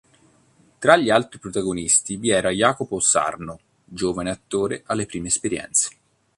Tra gli altri protagonisti vi era Jacopo Sarno, giovane attore alle prime esperienze.